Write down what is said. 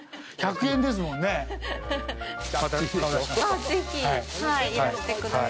ああ、ぜひ、いらしてください。